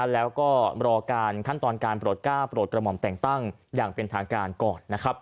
แล้วก็รอการขั้นตอนการโปรดก้าวโปรดกระหม่อมแต่งตั้งอย่างเป็นทางการก่อน